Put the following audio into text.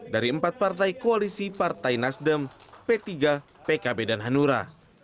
dari empat partai koalisi partai nasdem p tiga pkb dan hanura